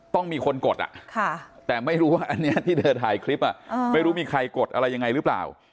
ต้องมีคนกดแต่ไม่รู้ว่าอันนี้ที่เธอถ่ายคลิปไม่รู้มีใครกดอะไรยังไงหรือเปล่า